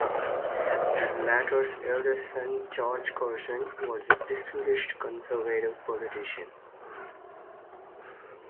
The latter's eldest son George Curzon was a distinguished Conservative politician.